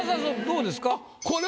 どうですか？